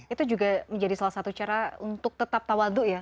itu juga menjadi salah satu cara untuk tetap tawadu ya